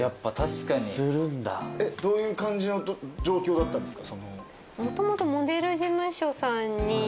どういう感じの状況だったんですか？